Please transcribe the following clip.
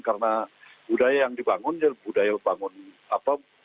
karena budaya yang dibangun budaya bangun apa